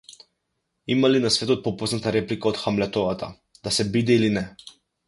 Има ли на светот попозната реплика од Хамлетовата: да се биде или не?